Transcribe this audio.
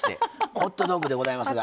ホットドッグでございますが。